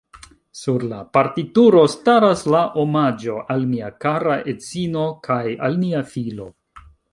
Sur la partituro staras la omaĝo: "Al mia kara edzino kaj al nia filo.